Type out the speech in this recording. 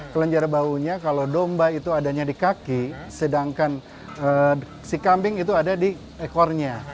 kelenjar baunya kalau domba itu adanya di kaki sedangkan si kambing itu ada di ekornya